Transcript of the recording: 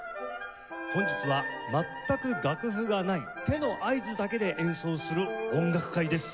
本日は全く楽譜がない手の合図だけで演奏する音楽会です。